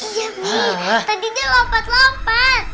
iya mi tadi dia lompat lompat